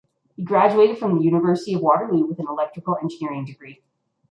He graduated from the University of Waterloo with an electrical engineering degree.